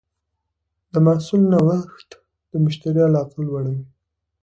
د محصول نوښت د مشتری علاقه لوړوي.